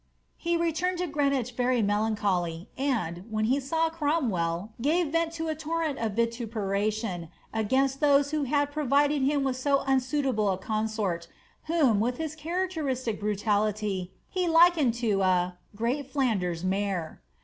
He returned to Greenwich very melancholy, and, when he saw Crom wdl, gave vent to a torrent of vituperation against those who had pro vided him with so unsuitable a consort, whom, with his characteristic brutality, he likened to a ^' great Flanders mare."